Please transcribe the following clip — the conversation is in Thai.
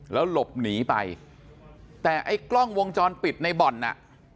แล้วหลบหนีไปแต่ไอ้กล้องวงจรปิดในบ่อนน่ะ